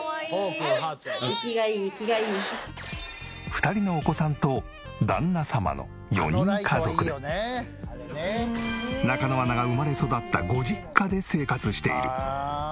２人のお子さんと旦那様の４人家族で中野アナが生まれ育ったご実家で生活している。